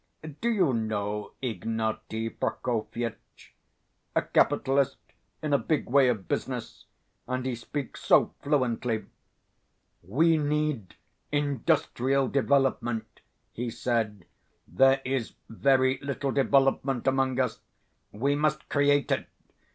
Do you know Ignaty Prokofyitch? A capitalist, in a big way of business, and he speaks so fluently. 'We need industrial development,' he said; 'there is very little development among us. We must create it.